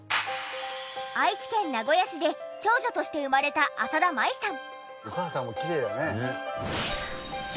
愛知県名古屋市で長女として生まれた浅田舞さん。